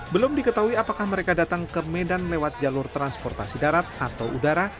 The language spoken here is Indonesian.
belum diketahui apakah mereka datang ke medan lewat jalur transportasi darat atau udara